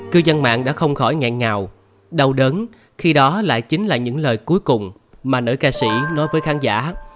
cư dân mạng đã không khỏi ngạn ngào đau đớn khi đó lại chính là những lời cuối cùng mà nữ ca sĩ nói với khán giả